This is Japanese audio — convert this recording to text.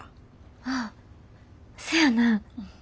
ああせやな。